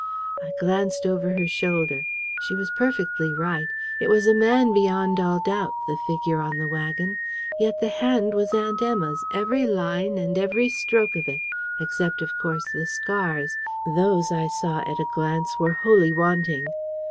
I glanced over her shoulder. She was perfectly right. It was a man beyond all doubt, the figure on the wagon. Yet the hand was Aunt Emma's, every line and every stroke of it; except, of course, the scars. Those, I saw at a glance, were wholly wanting.